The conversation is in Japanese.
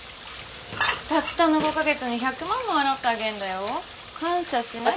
たったの５カ月に１００万も払ってあげるんだよ。感謝しなきゃ。